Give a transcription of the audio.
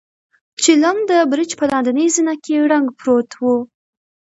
چيلم د برج په لاندنۍ زينه کې ړنګ پروت و.